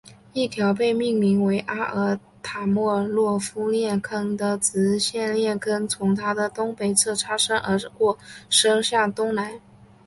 一条被命名为阿尔塔莫诺夫链坑的直线链坑从它的东北侧擦身而过伸向东南。